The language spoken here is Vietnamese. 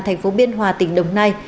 thành phố biên hòa tỉnh đồng nai